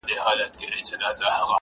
ور په برخه زغري توري او ولجې وې -